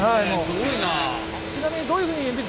すごいな。